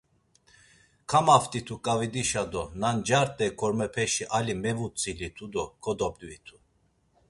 Kamaft̆itu ǩavidişa do na ncart̆ey kormepeşi ali mevutzilitu do kodobditu.